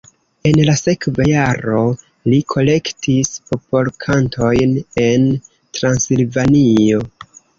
En la sekva jaro li kolektis popolkantojn en Transilvanio.